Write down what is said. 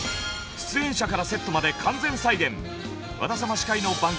出演者からセットまで完全再現。